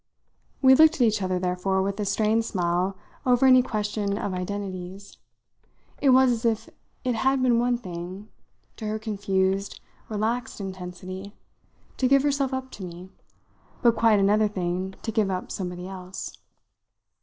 We looked at each other therefore with a strained smile over any question of identities. It was as if it had been one thing to her confused, relaxed intensity to give herself up to me, but quite another thing to give up somebody else.